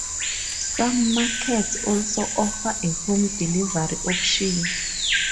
Some markets also offer a home delivery option.